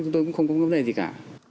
chúng tôi cũng không có vấn đề gì cả